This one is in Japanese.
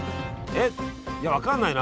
えっいや分かんないな。